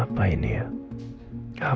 apa sih yang sebenarnya ada di dalamnya